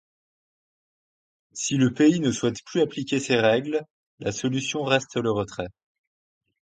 Si le pays ne souhaite plus appliquer ces règles, la solution reste le retrait.